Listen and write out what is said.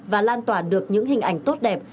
và lan tỏa được những hình ảnh tốt đẹp